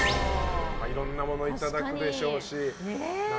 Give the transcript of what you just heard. いろんなものいただくでしょうし。